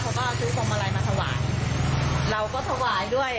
เขาก็ซื้อพวงมาลัยมาถวายเราก็ถวายด้วย